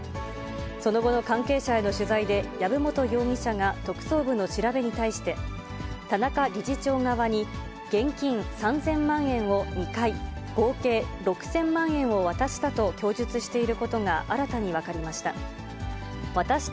その後の関係者への取材で、籔本容疑者が特捜部の調べに対して、田中理事長側に現金３０００万円を２回、合計６０００万円を渡したと供述していることが新たに分かりました。